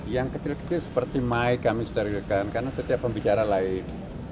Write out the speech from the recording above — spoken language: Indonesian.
yang kecil kecil seperti mai kami sterilkan karena setiap pembicara lain